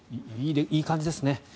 いい感じですね。